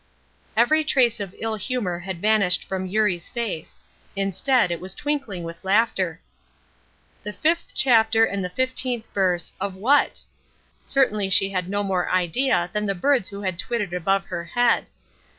Every trace of ill humor had vanished from Eurie's face. Instead, it was twinkling with laughter. "The fifth chapter and fifteenth verse" of what? Certainly she had no more idea than the birds had who twittered above her head.